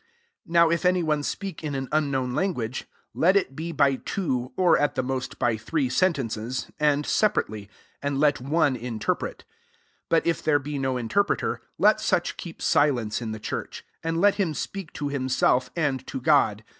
27 Now if any one*speak in an unknown language, iet it be by two, or at the most by three sentences^ and separately; and let one interpret: 28 but if there be no interpreter, let such keep silence in the church ; and let him speak to himself, and to God.